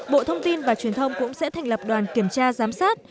bộ thông tin và truyền thông cũng sẽ thành lập đoàn kiểm tra giám sát